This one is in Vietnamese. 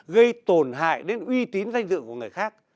gây tổn hại đến uy tín danh dự của người khác